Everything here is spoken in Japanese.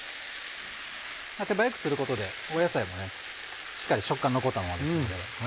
手早くすることで野菜もしっかり食感残ったままですので。